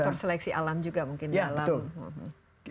itu faktor seleksi alam juga mungkin